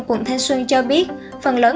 quận thanh xuân cho biết phần lớn